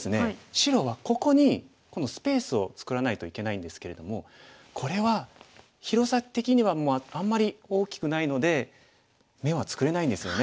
白はここに今度スペースを作らないといけないんですけれどもこれは広さ的にはあんまり大きくないので眼は作れないんですよね。